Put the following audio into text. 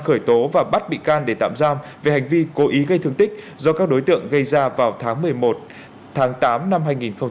khởi tố và bắt bị can để tạm giam về hành vi cố ý gây thương tích do các đối tượng gây ra vào tháng một mươi một tháng tám năm hai nghìn hai mươi